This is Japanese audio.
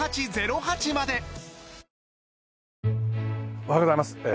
おはようございます。